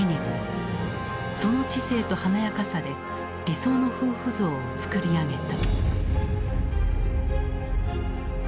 その知性と華やかさで理想の夫婦像をつくり上げた。